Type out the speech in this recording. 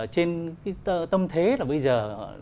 trên cái tâm thế là bây giờ